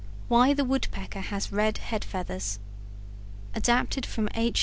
WHY THE WOODPECKER HAS RED HEAD FEATHERS Adapted from H.